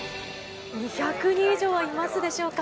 ２００人以上はいますでしょうか。